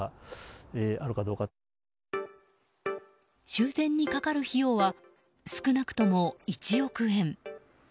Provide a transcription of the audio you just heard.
修繕にかかる費用は少なくとも１億円。